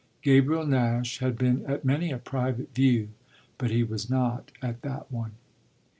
Gabriel Nash had been at many a private view, but he was not at that one.